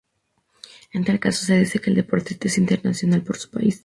En tal caso, se dice que el deportista es internacional por su país.